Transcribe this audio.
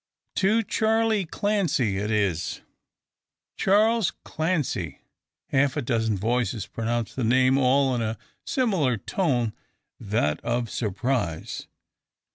"To Charley Clancy" it is. "Charles Clancy!" Half a score voices pronounce the name, all in a similar tone that of surprise.